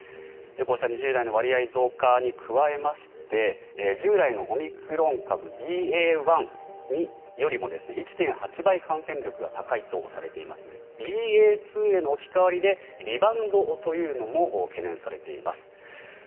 こうした２０代の割合増加に加えまして従来のオミクロン株ＢＡ．１よりも１．８倍感染力が高いとされているＢＡ．２への置き換わりでリバウンドというのも懸念されています。